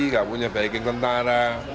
gak punya backing tentara